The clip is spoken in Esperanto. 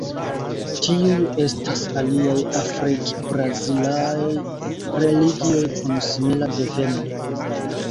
Tiuj estas aliaj afrik-brazilaj religioj kun simila deveno.